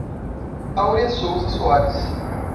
Aurea Souza Soares